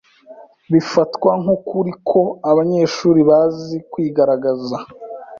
Bifatwa nkukuri ko abanyeshuri bazi kwigaragaza.